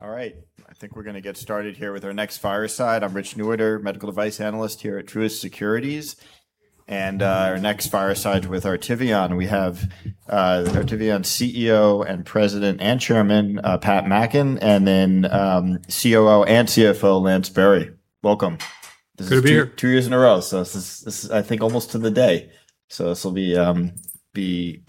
All right. I think we're going to get started here with our next fireside. I'm Rich Newhouser, medical device analyst here at Truist Securities. Our next fireside's with Artivion. We have Artivion CEO and President and Chairman, Patrick Mackin, and then COO and CFO, Lance Berry. Welcome. Good to be here. This is two years in a row. This is, I think, almost to the day. This will be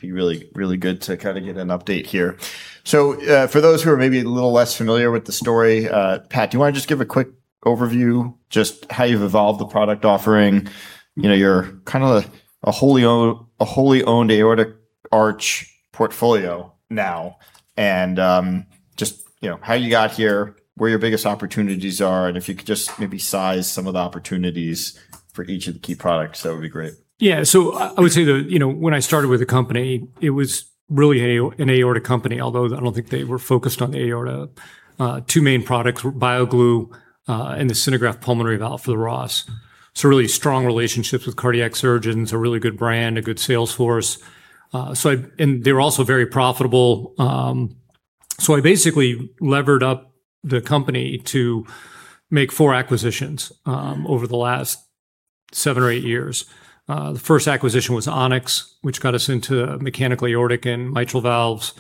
really good to get an update here. For those who are maybe a little less familiar with the story, Patrick, do you want to just give a quick overview? Just how you've evolved the product offering. You're kind of a wholly owned aortic arch portfolio now. Just how you got here, where your biggest opportunities are. If you could just maybe size some of the opportunities for each of the key products, that would be great. Yeah. I would say that when I started with the company, it was really an aorta company, although I don't think they were focused on the aorta. Two main products, BioGlue, and the pulmonary homograft for the Ross. Really strong relationships with cardiac surgeons, a really good brand, a good sales force. They were also very profitable. I basically levered up the company to make four acquisitions over the last seven or eight years. The first acquisition was On-X, which got us into mechanical aortic and mitral valves.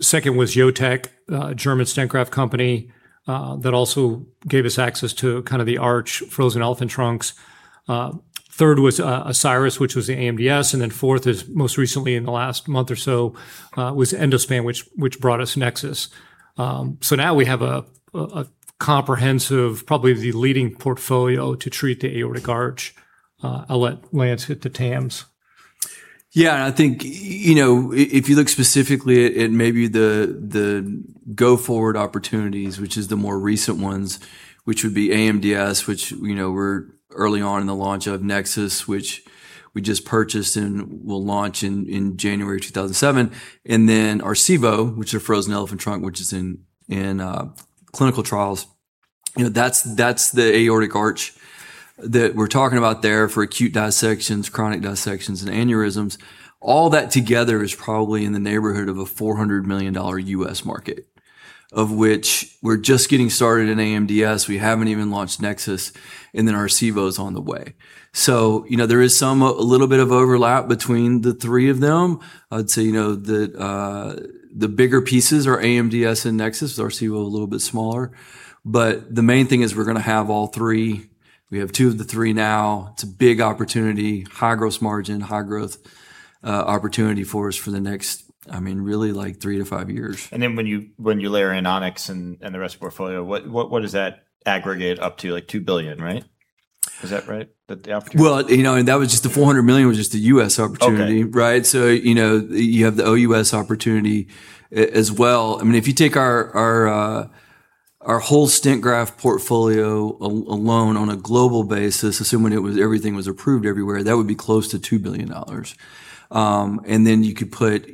Second was Jotec, a German Stent Graft company, that also gave us access to kind of the arch frozen elephant trunks. Third was Ascyrus Medical, which was the AMDS. Fourth is most recently in the last month or so, was Endospan, which brought us NEXUS. Now we have a comprehensive, probably the leading portfolio to treat the aortic arch. I'll let Lance hit the TAMs. I think if you look specifically at maybe the go-forward opportunities, which is the more recent ones, which would be AMDS, which we're early on in the launch of NEXUS, which we just purchased and will launch in January 2027. Arcevo, which is a frozen elephant trunk, which is in clinical trials. That's the aortic arch that we're talking about there for acute dissections, chronic dissections, and aneurysms. All that together is probably in the neighborhood of a $400 million U.S. market, of which we're just getting started in AMDS. We haven't even launched NEXUS, Arcevo's on the way. There is a little bit of overlap between the three of them. I'd say the bigger pieces are AMDS and NEXUS. Arcevo is a little bit smaller. The main thing is we're going to have all three. We have two of the three now. It's a big opportunity, high gross margin, high growth, opportunity for us for the next really three to five years. When you layer in On-X and the rest of the portfolio, what does that aggregate up to? 2 billion, right? Is that right? The opportunity. that was just the $400 million, was just the U.S. opportunity. Okay. you have the OUS opportunity as well. If you take our whole stent graft portfolio alone on a global basis, assuming everything was approved everywhere, that would be close to $2 billion. you could put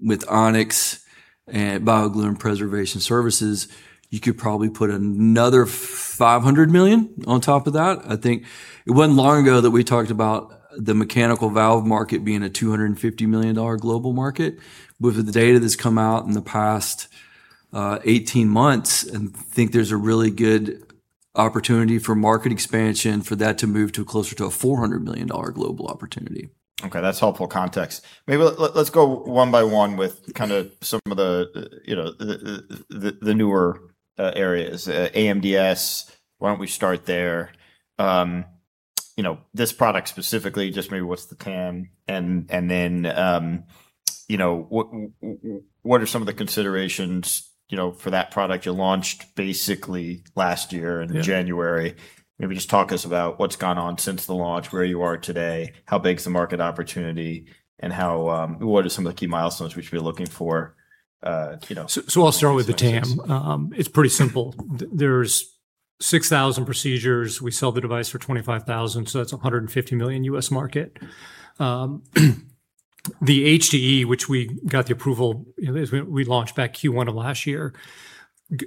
with On-X and BioGlue and Preservation Services, you could probably put another $500 million on top of that, I think. It wasn't long ago that we talked about the mechanical valve market being a $250 million global market. With the data that's come out in the past 18 months, I think there's a really good opportunity for market expansion for that to move to closer to a $400 million global opportunity. that's helpful context. Maybe let's go one by one with some of the newer areas. AMDS, why don't we start there? This product specifically, just maybe what's the TAM, and then what are some of the considerations for that product you launched basically last year in January? Yeah. Maybe talk to us about what's gone on since the launch, where you are today, how big is the market opportunity, and what are some of the key milestones we should be looking for? I'll start with the TAM. It's pretty simple. There's 6,000 procedures. We sell the device for $25,000, that's a $150 million U.S. market. The HDE, which we got the approval, we launched back Q1 of last year,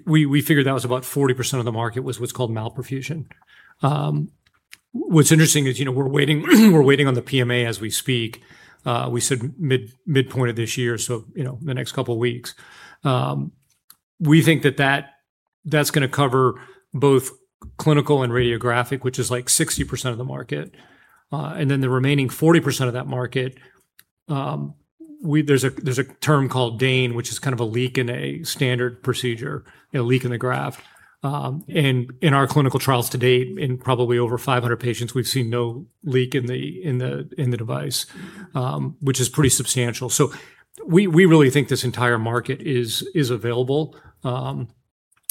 we figured that was about 40% of the market, was what's called malperfusion. What's interesting is we're waiting on the PMA as we speak. We said mid-point of this year, in the next couple of weeks. We think that's going to cover both clinical and radiographic, which is like 60% of the market. The remaining 40% of that market, there's a term called DANE, which is kind of a leak in a standard procedure, a leak in the graft. In our clinical trials to date, in probably over 500 patients, we've seen no leak in the device, which is pretty substantial. We really think this entire market is available.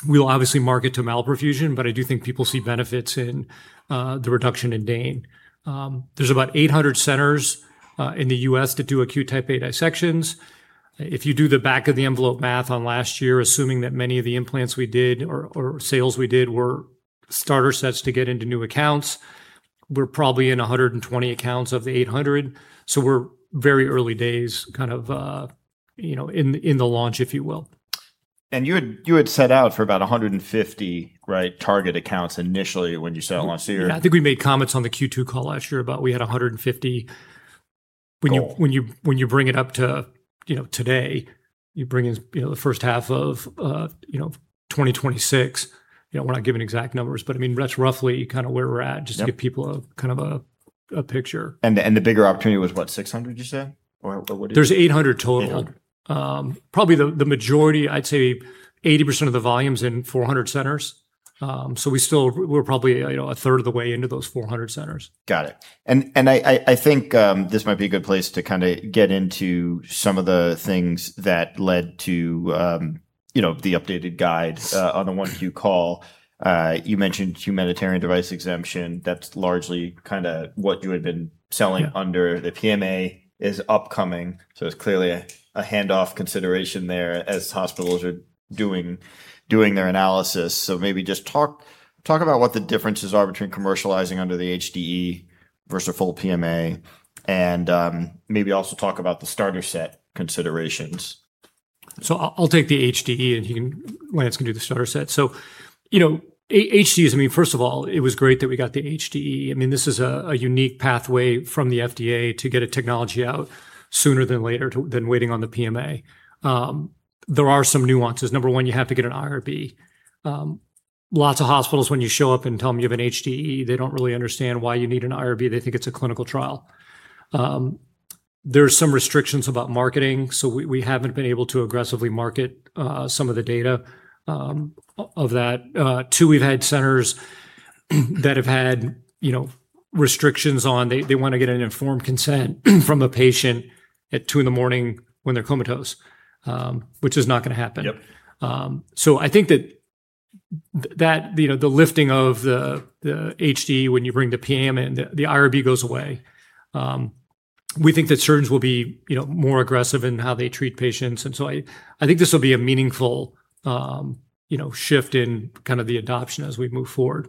We'll obviously market to malperfusion, but I do think people see benefits in the reduction in DANE. There's about 800 centers in the U.S. that do acute Type A dissections. If you do the back of the envelope math on last year, assuming that many of the implants we did or sales we did were starter sets to get into new accounts, we're probably in 120 accounts of the 800. We're very early days in the launch, if you will. You had set out for about 150 target accounts initially when you set out last year. I think we made comments on the Q2 call last year about we had 150. When you bring it up to today, you bring in H1 of 2026. We're not giving exact numbers, but that's roughly where we're at- Yep -to give people a picture. The bigger opportunity was what, 600 you said? Or what is it? There's 800 total. 800. Probably the majority, I'd say 80% of the volume's in 400 centers. We're probably a third of the way into those 400 centers. Got it. I think this might be a good place to get into some of the things that led to the updated guide on the Q1 call. You mentioned humanitarian device exemption. That's largely what you had been selling under- Yeah. -the PMA is upcoming, it's clearly a hand-off consideration there as hospitals are doing their analysis. Maybe just talk about what the differences are between commercializing under the HDE versus a full PMA and maybe also talk about the starter set considerations. I'll take the HDE, and Lance can do the starter set. HDEs, first of all, it was great that we got the HDE. This is a unique pathway from the FDA to get a technology out sooner than later than waiting on the PMA. There are some nuances. Number one, you have to get an IRB. Lots of hospitals, when you show up and tell them you have an HDE, they don't really understand why you need an IRB. They think it's a clinical trial. There are some restrictions about marketing, so we haven't been able to aggressively market some of the data of that. Two, we've had centers that have had restrictions on. They want to get an informed consent from a patient at 2:00 A.M. when they're comatose, which is not going to happen. Yep. I think that the lifting of the HDE when you bring the PMA in, the IRB goes away. We think that surgeons will be more aggressive in how they treat patients. I think this will be a meaningful shift in the adoption as we move forward.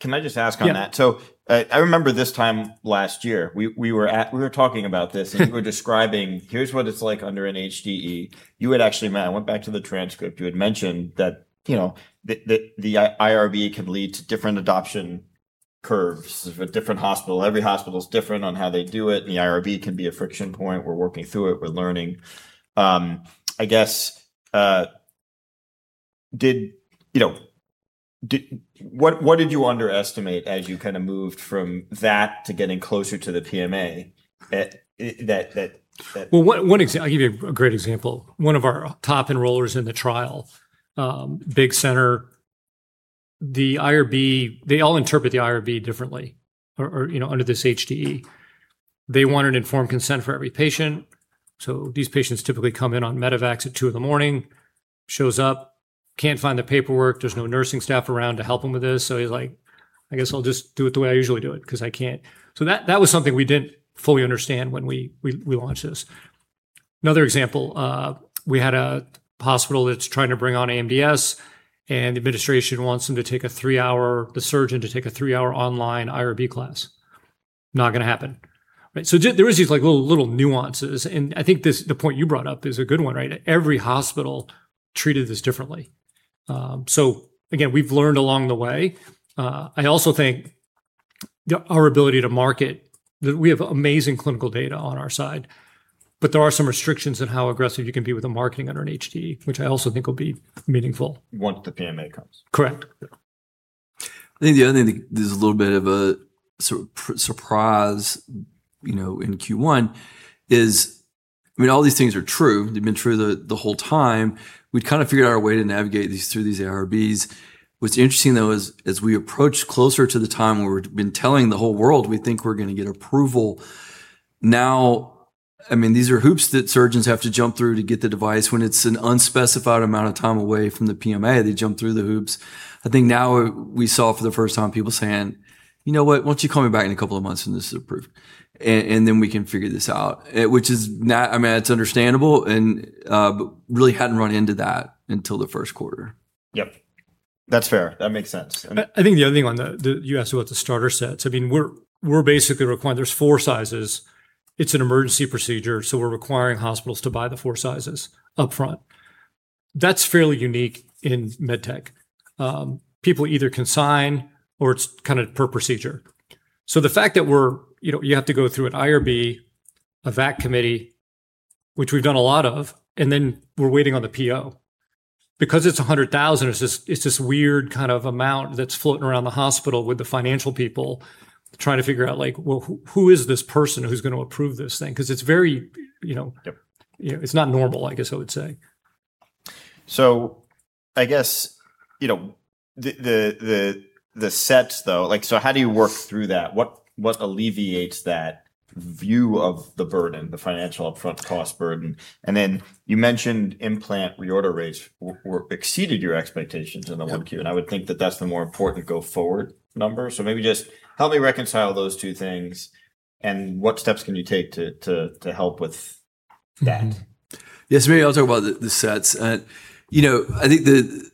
Can I just ask on that? Yeah. I remember this time last year, we were talking about this. You were describing, "Here's what it's like under an HDE." You had actually, I went back to the transcript. You had mentioned that the IRB can lead to different adoption curves of a different hospital. Every hospital's different on how they do it, and the IRB can be a friction point. We're working through it. We're learning. What did you underestimate as you moved from that to getting closer to the PMA? Well, I'll give you a great example. One of our top enrollers in the trial, big center. They all interpret the IRB differently or under this HDE. They want an informed consent for every patient. These patients typically come in on medevacs at 2:00 A.M., shows up, can't find the paperwork. There's no nursing staff around to help him with this. He's like, "I guess I'll just do it the way I usually do it because I can't." That was something we didn't fully understand when we launched this. Another example. We had a hospital that's trying to bring on AMDS, and the administration wants the surgeon to take a three-hour online IRB class. Not going to happen, right? There is these little nuances, and I think the point you brought up is a good one, right? Every hospital treated this differently. Again, we've learned along the way. I also think our ability to market, that we have amazing clinical data on our side, but there are some restrictions on how aggressive you can be with the marketing under an HDE, which I also think will be meaningful. Once the PMA comes. Correct. Yeah. I think the other thing that is a little bit of a surprise in Q1 is all these things are true. They've been true the whole time. We'd kind of figured out a way to navigate through these IRBs. What's interesting, though, is as we approach closer to the time where we've been telling the whole world we think we're going to get approval now, these are hoops that surgeons have to jump through to get the device. When it's an unspecified amount of time away from the PMA, they jump through the hoops. I think now we saw for the first time people saying, "You know what? Why don't you call me back in a couple of months when this is approved, and then we can figure this out." It's understandable and really hadn't run into that until the Q1. Yep. That's fair. That makes sense. I think the other thing on that, you asked about the starter sets. We're basically requiring. There's four sizes. It's an emergency procedure, so we're requiring hospitals to buy the four sizes upfront. That's fairly unique in med tech. People either consign or it's per procedure. The fact that you have to go through an IRB, a VAC committee, which we've done a lot of, and then we're waiting on the PO. Because it's $100,000, it's this weird kind of amount that's floating around the hospital with the financial people trying to figure out, like, "Well, who is this person who's going to approve this thing?" Because it's not normal, I guess I would say. I guess the sets, though. How do you work through that? What alleviates that view of the burden, the financial upfront cost burden? Then you mentioned implant reorder rates exceeded your expectations in the Q1. Yep. I would think that that's the more important go forward number. Maybe just help me reconcile those two things and what steps can you take to help with that? Yeah. Maybe I'll talk about the sets. I think the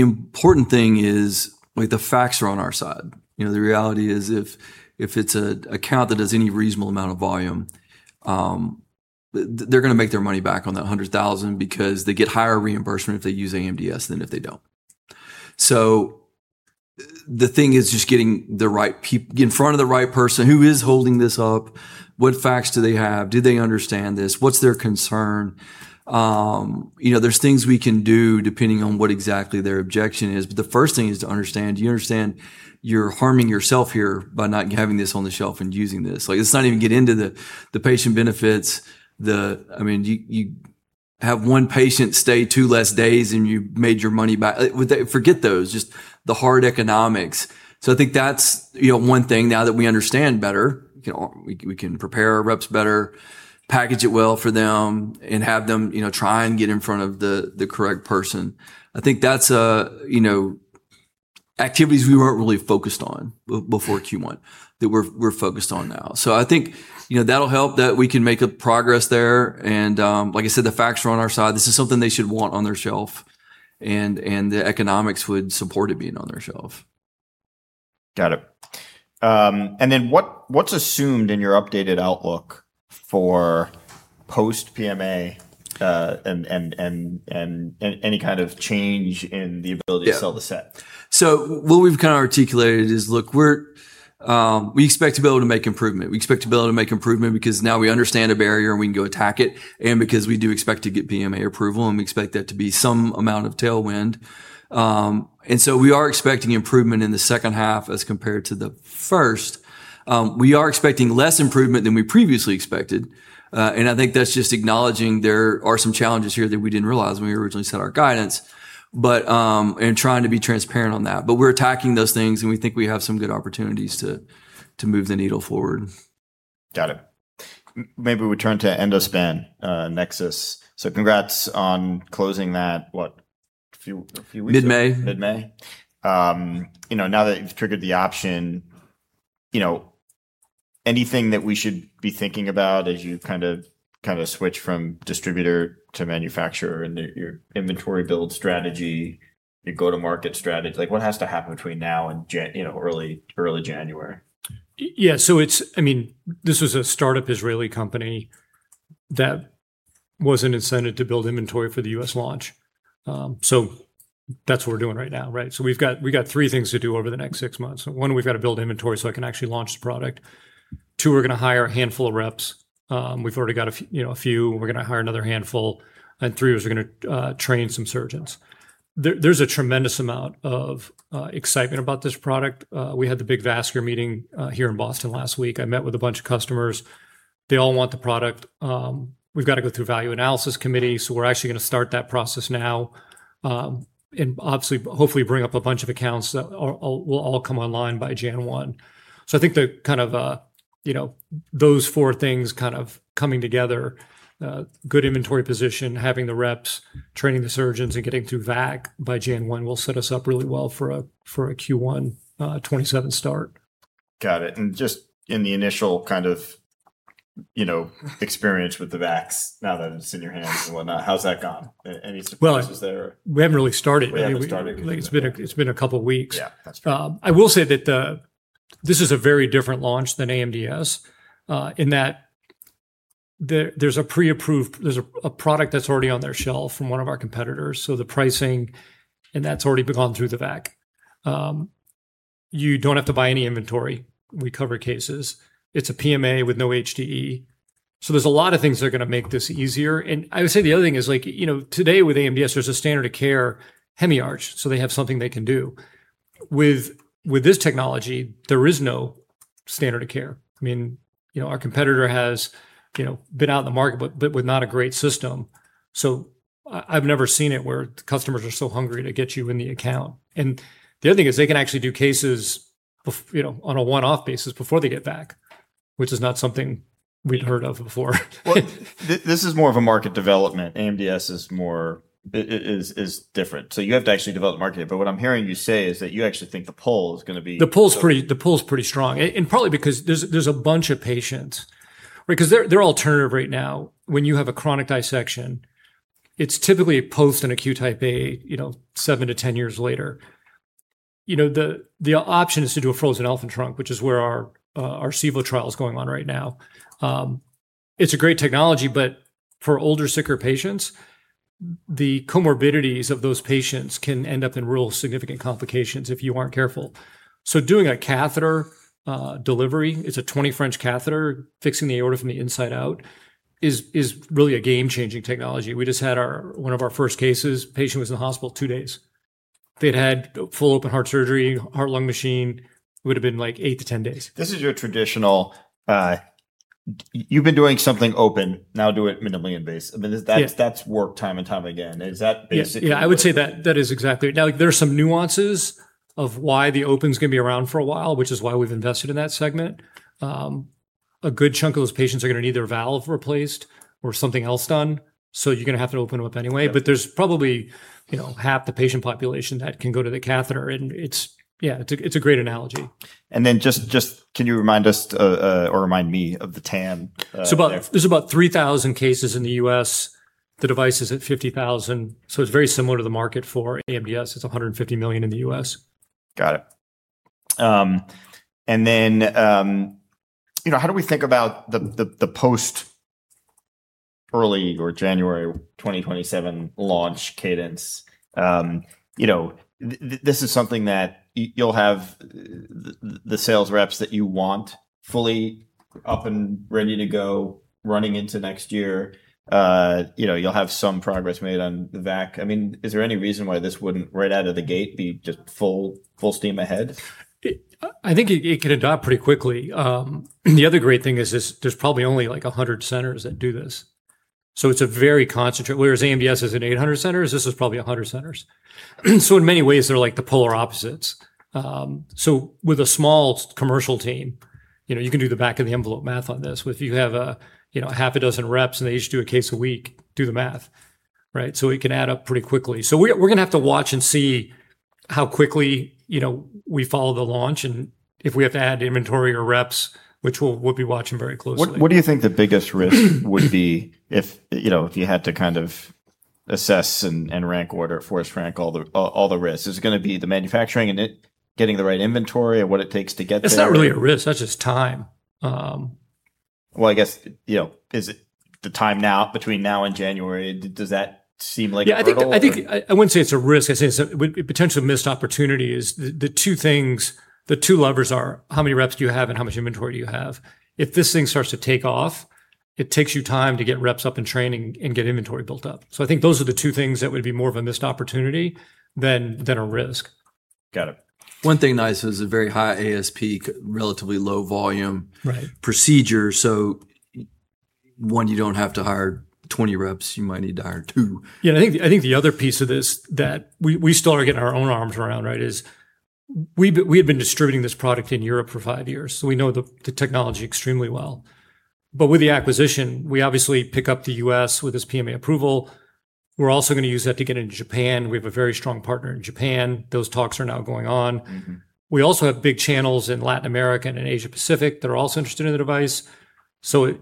important thing is the facts are on our side. The reality is if it's an account that has any reasonable amount of volume, they're going to make their money back on that $100,000 because they get higher reimbursement if they use AMDS than if they don't. The thing is just getting in front of the right person who is holding this up. What facts do they have? Do they understand this? What's their concern? There's things we can do depending on what exactly their objection is. But the first thing is to understand, do you understand you're harming yourself here by not having this on the shelf and using this? Let's not even get into the patient benefits. You have one patient stay two less days, and you made your money back. Forget those, just the hard economics. I think that's one thing now that we understand better. We can prepare our reps better, package it well for them, and have them try and get in front of the correct person. I think that's activities we weren't really focused on before Q1 that we're focused on now. I think that'll help that we can make progress there and, like I said, the facts are on our side. This is something they should want on their shelf, and the economics would support it being on their shelf. Got it. What's assumed in your updated outlook for post PMA and any kind of change in the ability- Yeah -to sell the stent? What we've kind of articulated is, look, we expect to be able to make improvement. We expect to be able to make improvement because now we understand a barrier, and we can go attack it, and because we do expect to get PMA approval, and we expect that to be some amount of tailwind. We are expecting improvement in the second half as compared to the first. We are expecting less improvement than we previously expected. I think that's just acknowledging there are some challenges here that we didn't realize when we originally set our guidance, and trying to be transparent on that. We're attacking those things, and we think we have some good opportunities to move the needle forward. Got it. Maybe we turn to Endospan, NEXUS. Congrats on closing that, what, a few weeks ago? Mid-May. Mid-May. Now that you've triggered the option, anything that we should be thinking about as you kind of switch from distributor to manufacturer and your inventory build strategy, your go-to-market strategy? What has to happen between now and early January? Yeah. This was a startup Israeli company that was an incentive to build inventory for the U.S. launch. That's what we're doing right now, right? We've got three things to do over the next six months. One, we've got to build inventory so I can actually launch the product. Two, we're going to hire a handful of reps. We've already got a few. We're going to hire another handful. Three is we're going to train some surgeons. There's a tremendous amount of excitement about this product. We had the big vascular meeting here in Boston last week. I met with a bunch of customers. They all want the product. We've got to go through a value analysis committee. We're actually going to start that process now. Obviously, hopefully bring up a bunch of accounts that will all come online by January 1. I think those four things kind of coming together, good inventory position, having the reps, training the surgeons, and getting through VAC by January 1 will set us up really well for a Q1 2027 start. Got it. Just in the initial kind of experience with the VACs now that it's in your hands and whatnot, how's that gone? Any surprises there? Well, we haven't really started yet. We haven't started. It's been a couple of weeks. Yeah. That's fair. I will say that this is a very different launch than AMDS in that there's a product that's already on their shelf from one of our competitors. The pricing, and that's already gone through the VAC. You don't have to buy any inventory. We cover cases. It's a PMA with no HDE. There's a lot of things that are going to make this easier, and I would say the other thing is today with AMDS, there's a standard of care, HemiArch, so they have something they can do. With this technology, there is no standard of care. Our competitor has been out in the market but with not a great system. I've never seen it where customers are so hungry to get you in the account. The other thing is they can actually do cases on a one-off basis before they get back, which is not something we'd heard of before. Well, this is more of a market development. AMDS is different. You have to actually develop the market. What I'm hearing you say is that you actually think the pull is going to be- The pull's pretty strong, and probably because there's a bunch of patients. Their alternative right now, when you have a chronic dissection, it's typically a post in acute Type A, 7 to 10 years later. The option is to do a frozen elephant trunk, which is where Arcevo trial is going on right now. It's a great technology, but for older, sicker patients, the comorbidities of those patients can end up in real significant complications if you aren't careful. Doing a catheter delivery, it's a 20 French catheter, fixing the aorta from the inside out is really a game-changing technology. We just had one of our first cases. Patient was in the hospital two days. If they'd had full open heart surgery, heart-lung machine, it would've been 8-10 days. This is your traditional you've been doing something open, now do it minimally invasive. Yeah. That's worked time and time again. Is that basically- Yeah, I would say that is exactly it. There are some nuances of why the open's going to be around for a while, which is why we've invested in that segment. A good chunk of those patients are going to need their valve replaced or something else done. You're going to have to open them up anyway. Yeah. There's probably half the patient population that can go to the catheter, and it's a great analogy. Can you remind us, or remind me, of the TAM there? There's about 3,000 cases in the U.S. The device is at 50,000. It's very similar to the market for AMDS. It's $150 million in the U.S. Got it. How do we think about the post Early or January 2027 launch cadence. This is something that you'll have the sales reps that you want fully up and ready to go running into next year. You'll have some progress made on the VAC. Is there any reason why this wouldn't, right out of the gate, be just full steam ahead? I think it could adopt pretty quickly. The other great thing is there's probably only 100 centers that do this. It's a very concentrated, whereas AMDS is in 800 centers, this is probably 100 centers. In many ways, they're like the polar opposites. With a small commercial team, you can do the back of the envelope math on this. If you have a half a dozen reps and they each do a case a week, do the math. Right? It can add up pretty quickly. We're going to have to watch and see how quickly we follow the launch and if we have to add inventory or reps, which we'll be watching very closely. What do you think the biggest risk would be if you had to assess and rank order, force rank all the risks? Is it going to be the manufacturing and getting the right inventory and what it takes to get there? That's not really a risk, that's just time. Well, I guess, is it the time between now and January? Does that seem like a hurdle? Yeah, I think I wouldn't say it's a risk. I'd say it's a potential missed opportunity is the two things, the two levers are how many reps do you have and how much inventory do you have. If this thing starts to take off, it takes you time to get reps up and training and get inventory built up. I think those are the two things that would be more of a missed opportunity than a risk. Got it. One thing nice is a very high ASP, relatively low volume- Right procedure. One, you don't have to hire 20 reps, you might need to hire two. Yeah, I think the other piece of this that we still are getting our own arms around, right, is we have been distributing this product in Europe for five years, so we know the technology extremely well. With the acquisition, we obviously pick up the U.S. with this PMA approval. We're also going to use that to get into Japan. We have a very strong partner in Japan. Those talks are now going on. We also have big channels in Latin America and in Asia Pacific that are also interested in the device. To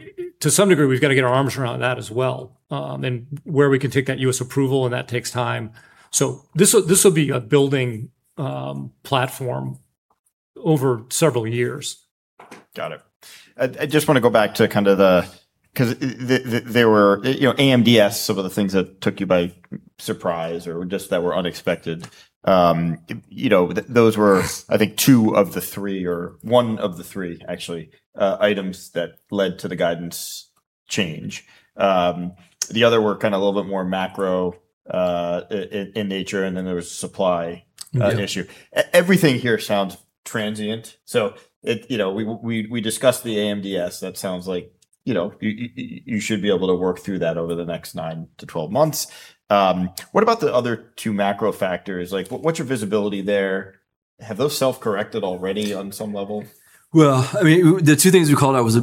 some degree, we've got to get our arms around that as well, and where we can take that U.S. approval and that takes time. This will be a building platform over several years. Got it. I just want to go back to kind of the, because there were AMDS, some of the things that took you by surprise or just that were unexpected. Those were, I think two of the three or one of the three actually, items that led to the guidance change. The other were kind of a little bit more macro in nature, and then there was a supply issue. Yeah. Everything here sounds transient. We discussed the AMDS. That sounds like you should be able to work through that over the next 9-12 months. What about the other two macro factors? What's your visibility there? Have those self-corrected already on some level? Well, the two things we called out was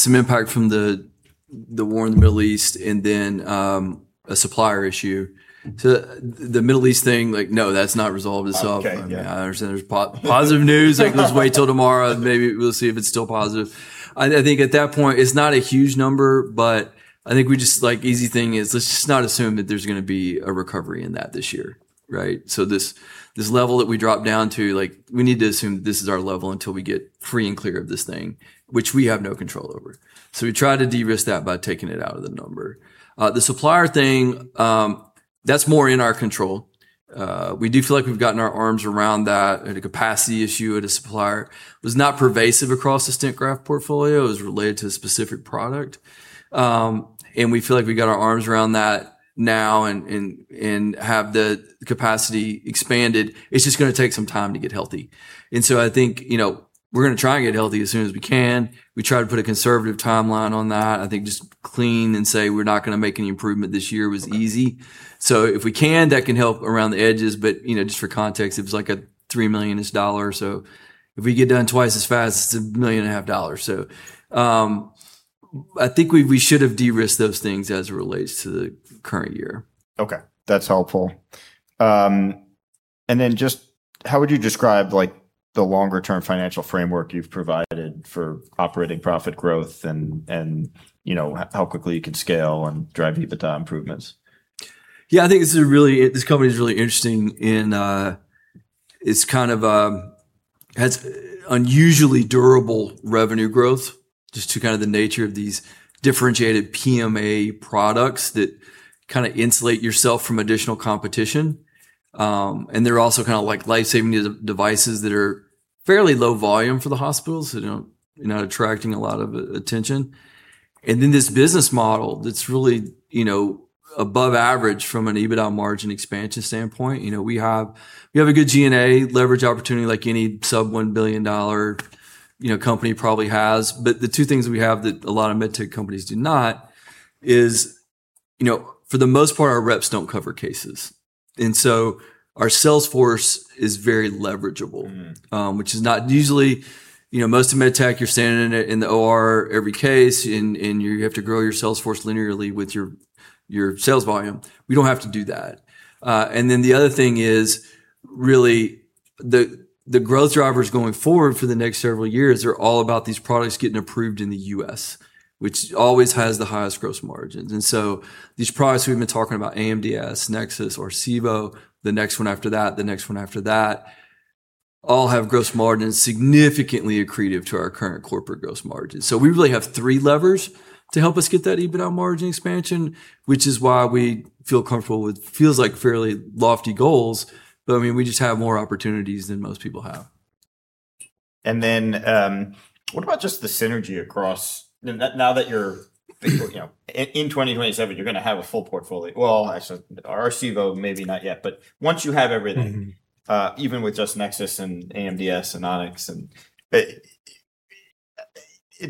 some impact from the war in the Middle East and then a supplier issue. The Middle East thing, no, that's not resolved itself. Okay. Yeah. I understand there's positive news. Let's wait till tomorrow and maybe we'll see if it's still positive. I think at that point, it's not a huge number, but I think easy thing is let's just not assume that there's going to be a recovery in that this year. Right? This level that we dropped down to, we need to assume that this is our level until we get free and clear of this thing, which we have no control over. We try to de-risk that by taking it out of the number. The supplier thing, that's more in our control. We do feel like we've gotten our arms around that. The capacity issue at a supplier was not pervasive across the Stent Graft portfolio. It was related to a specific product. We feel like we got our arms around that now and have the capacity expanded. It's just going to take some time to get healthy. I think we're going to try and get healthy as soon as we can. We try to put a conservative timeline on that. I think just clean and say we're not going to make any improvement this year was easy. If we can, that can help around the edges, but just for context, it was like a $3 million-ish. If we get done twice as fast, it's $1.5 million. I think we should have de-risked those things as it relates to the current year. Okay. That's helpful. Just how would you describe the longer-term financial framework you've provided for operating profit growth and how quickly you can scale and drive EBITDA improvements? I think this company is really interesting in it has unusually durable revenue growth, just to the nature of these differentiated PMA products that kind of insulate yourself from additional competition. They're also kind of life-saving devices that are fairly low volume for the hospitals, so they're not attracting a lot of attention. This business model that's really above average from an EBITDA margin expansion standpoint. We have a good G&A leverage opportunity like any sub $1 billion company probably has. The two things we have that a lot of med tech companies do not is for the most part, our reps don't cover cases. So our sales force is very leverageable. Which is not usually, most of med tech, you're standing in the OR every case and you have to grow your sales force linearly with your sales volume. We don't have to do that. The other thing is really the growth drivers going forward for the next several years are all about these products getting approved in the U.S., which always has the highest gross margins. These products we've been talking about, AMDS, NEXUS, or Arcivo, the next one after that, the next one after that all have gross margins significantly accretive to our current corporate gross margins. We really have three levers to help us get that EBITDA margin expansion, which is why we feel comfortable with feels like fairly lofty goals, but we just have more opportunities than most people have. What about just the synergy across now that in 2027, you're going to have a full portfolio. Well, actually Arcevo maybe not yet, but once you have everything. Even with just NEXUS and AMDS and On-X,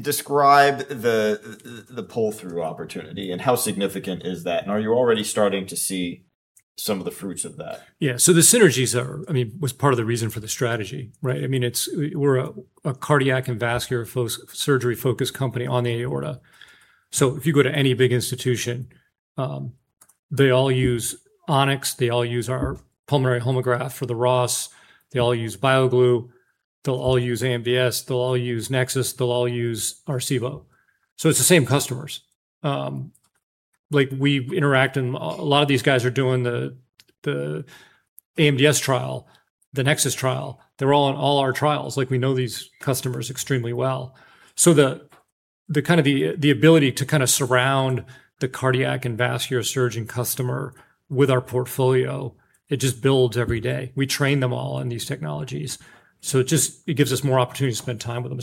describe the pull-through opportunity and how significant is that, and are you already starting to see some of the fruits of that? The synergies are, was part of the reason for the strategy, right? We're a cardiac and vascular surgery-focused company on the aorta. If you go to any big institution, they all use On-X, they all use our pulmonary homograft for the Ross, they all use BioGlue, t hey'll all use AMDS, they'll all use NEXUS, they'll all use Arcevo. It's the same customers. We interact and a lot of these guys are doing the AMDS trial, the NEXUS trial. They're all on all our trials. We know these customers extremely well. The ability to kind of surround the cardiac and vascular surgeon customer with our portfolio, it just builds every day. We train them all on these technologies, it gives us more opportunity to spend time with them.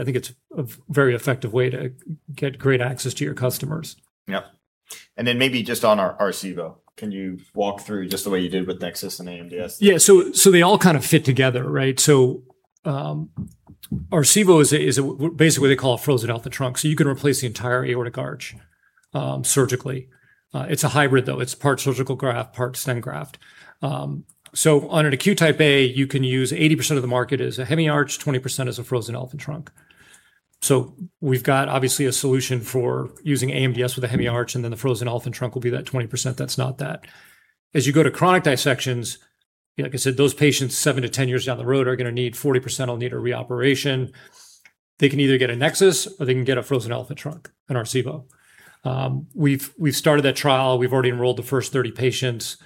I think it's a very effective way to get great access to your customers. Maybe just on Arcevo, can you walk through just the way you did with NEXUS and AMDS? They all kind of fit together, right? Arcevo is basically what they call a frozen elephant trunk. You can replace the entire aortic arch surgically. It's a hybrid though. It's part surgical graft, part stent graft. On an acute Type A, you can use 80% of the market as a HemiArch, 20% as a frozen elephant trunk. We've got obviously a solution for using AMDS with a HemiArch, and then the frozen elephant trunk will be that 20% that's not that. As you go to chronic dissections, like I said, those patients, 7-10 years down the road are going to need, 40% will need a reoperation. They can either get a NEXUS or they can get a frozen elephant trunk, an Arcevo. We've started that trial. We've already enrolled the first 30 patients.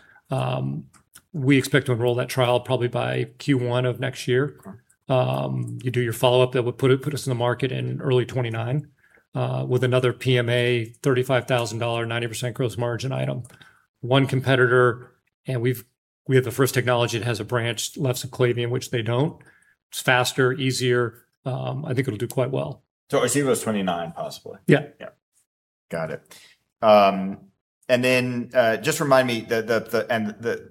We expect to enroll that trial probably by Q1 of next year. Okay. You do your follow-up, that would put us in the market in early 2029, with another PMA $35,000 90% gross margin item. One competitor, and we have the first technology that has a branched left subclavian, which they don't. It is faster, easier. I think it will do quite well. Arcevo's 2029 possibly? Yeah. Got it. Just remind me the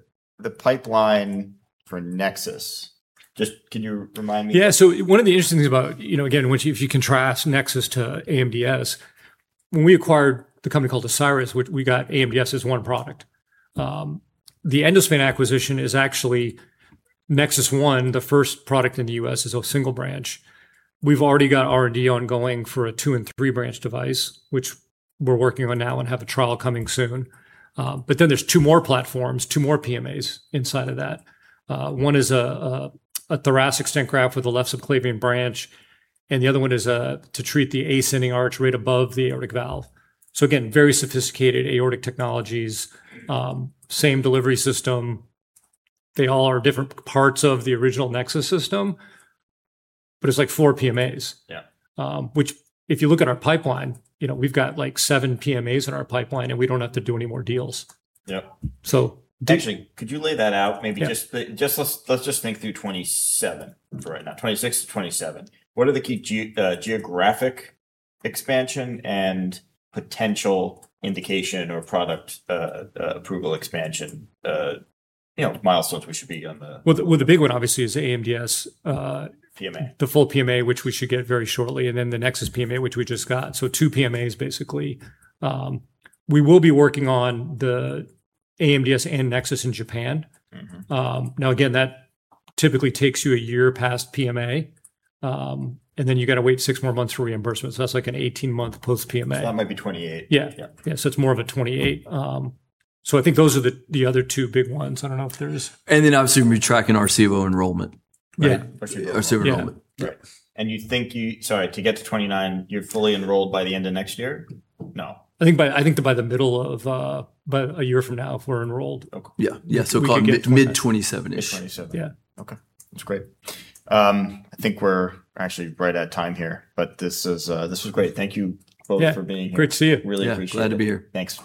pipeline for NEXUS. Just, can you remind me? One of the interesting things about, again, if you contrast NEXUS to AMDS, when we acquired the company called Ascyrus Medical, which we got AMDS as one product. The Endospan acquisition is actually NEXUS 1, the first product in the U.S. is a single branch. We have already got R&D ongoing for a two and three-branch device, which we are working on now and have a trial coming soon. There are two more platforms, two more PMAs inside of that. One is a thoracic Stent Graft with a left subclavian branch, and the other one is to treat the ascending arch right above the aortic valve. Again, very sophisticated aortic technologies. Same delivery system. They all are different parts of the original NEXUS system, it's like four PMAs. Yeah. If you look at our pipeline, we've got like seven PMAs in our pipeline, we don't have to do any more deals. Yep. So- Actually, could you lay that out? Yeah. Maybe let's just think through 2027 for right now. 2026 to 2027. What are the key geographic expansion and potential indication or product approval expansion milestones we should be on the- Well, the big one obviously is AMDS- PMA The full PMA, which we should get very shortly, and then the NEXUS PMA, which we just got. Two PMAs, basically. We will be working on the AMDS and NEXUS in Japan. Now again, that typically takes you a year past PMA, and then you've got to wait six more months for reimbursement. That's like an 18-month post PMA. That might be 2028. Yeah. Yeah. Yeah. It's more of a 2028. I think those are the other two big ones. I don't know if there's- Obviously we'll be tracking Arcevo enrollment. Yeah. Arcevo. Arcevo enrollment. Yeah. Right. Sorry, to get to 2029, you're fully enrolled by the end of next year? No. I think by the middle of a year from now, if we're enrolled. Okay. Yeah. Call it mid- We could get to- 2027-ish. Mid 2027. Yeah. Okay. That's great. I think we're actually right at time here, but this was great. Thank you both for being here. Yeah. Great to see you. Really appreciate it. Yeah. Glad to be here. Thanks.